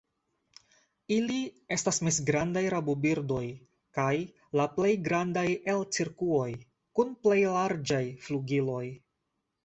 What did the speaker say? Ili estas mezgrandaj rabobirdoj kaj la plej grandaj el cirkuoj, kun plej larĝaj flugiloj.